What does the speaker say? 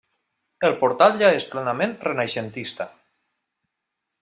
El portal ja és plenament renaixentista.